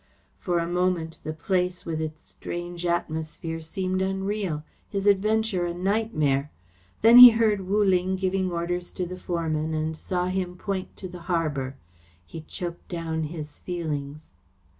For a moment the place with its strange atmosphere seemed unreal, his adventure a nightmare. Then he heard Wu Ling giving orders to the foreman and saw him point to the harbour. He choked down his feelings.